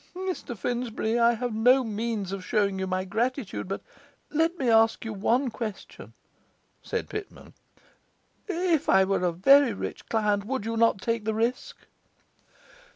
'Mr Finsbury, I have no means of showing you my gratitude; but let me ask you one question,' said Pitman. 'If I were a very rich client, would you not take the risk?